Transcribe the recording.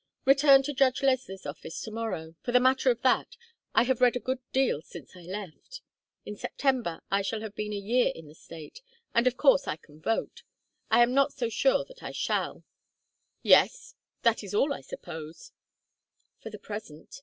"Return to Judge Leslie's office to morrow for the matter of that, I have read a good deal since I left. In September I shall have been a year in the State, and of course I can vote. I am not so sure that I shall." "Yes! That is all, I suppose?" "For the present.